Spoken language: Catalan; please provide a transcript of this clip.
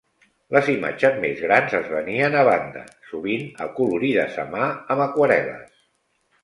Les imatges més grans es venien a banda, sovint acolorides a mà amb aquarel·les.